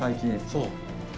そう。